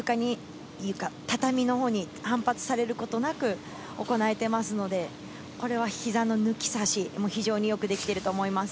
畳のほうに反発されることなく行えていますので、これは膝の抜き差し、非常によくできていると思います。